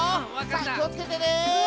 さあきをつけてね。